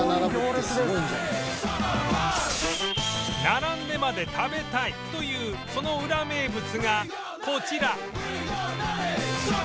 並んでまで食べたいというそのウラ名物がこちら